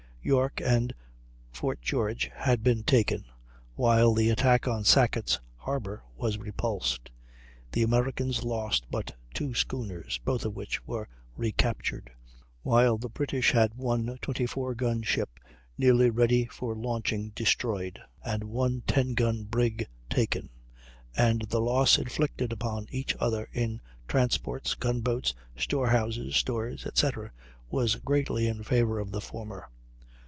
York and Fort George had been taken, while the attack on Sackett's Harbor was repulsed. The Americans lost but two schooners, both of which were recaptured; while the British had one 24 gun ship nearly ready for launching destroyed, and one 10 gun brig taken, and the loss inflicted upon each other in transports, gun boats, store houses, stores, etc., was greatly in favor of the former.